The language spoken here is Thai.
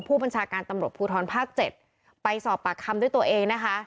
ผู้บัญชาการตำรวจภูทรภาค๗ไปสอบปากคำด้วยตัวเองนะคะ